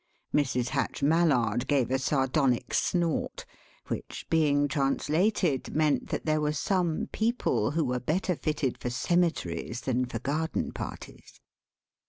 Mrs. Hatch Mallard gave a sardonic snort, which, being translated, meant that there were some people who were better fitted for cemeteries than for garden parties.